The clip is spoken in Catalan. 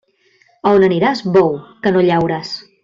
A on aniràs, bou, que no llaures?